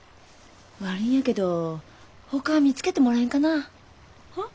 悪いんやけどほか見つけてもらえんかな。は？